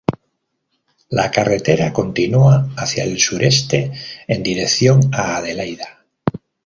La carretera continúa hacia el sureste en dirección a Adelaida.